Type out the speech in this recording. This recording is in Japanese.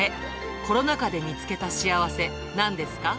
コロナ禍で見つけた幸せ、なんですか？